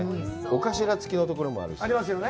尾頭つきのところもあるし。